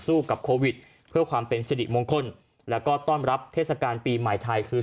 กับโควิดเพื่อความเป็นสิริมงคลแล้วก็ต้อนรับเทศกาลปีใหม่ไทยคือ